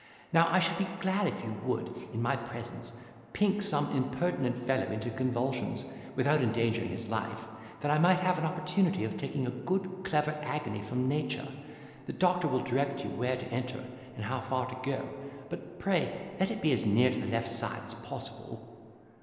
Now I should be glad if you would, in my presence, pink some impertinent fellow into convulsions, without endangering his life, that I may have an opportunity of taking a good clever agony from nature: the doctor will direct you where to enter and how far to go, but pray let it be as near the left side as possible."